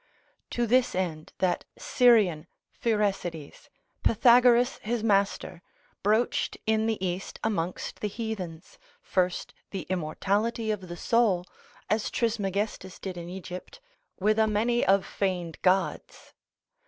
To this end that Syrian Phyresides, Pythagoras his master, broached in the East amongst the heathens, first the immortality of the soul, as Trismegistus did in Egypt, with a many of feigned gods.